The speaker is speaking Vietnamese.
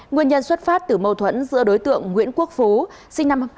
nguyên nhân xuất phát từ mâu thuẫn giữa đối tượng nguyễn quốc phú sinh năm hai nghìn tám